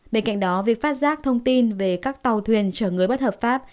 bên cạnh đó việc phát giác thông tin về các tàu thuyền chở người bất hợp pháp